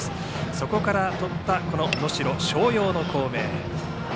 そこからとった能代松陽の校名。